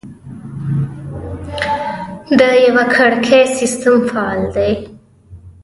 د یوه کړکۍ سیستم فعال دی؟